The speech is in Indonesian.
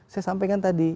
saya sampaikan tadi